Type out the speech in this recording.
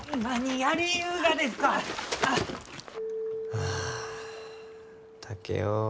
はあ竹雄。